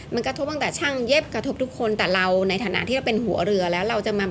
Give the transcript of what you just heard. มันกระทบตั้งแต่ช่างเย็บกระทบทุกคนแต่เราในฐานะที่เราเป็นหัวเรือแล้วเราจะมา